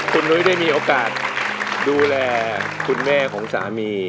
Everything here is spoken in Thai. คุณนุ้ยได้มีโอกาสดูแลคุณแม่ของสามี